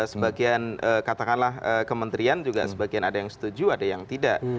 sebagian katakanlah kementerian juga sebagian ada yang setuju ada yang tidak